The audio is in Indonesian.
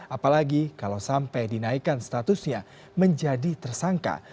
apalagi kalau sampai dinaikkan statusnya menjadi tersangka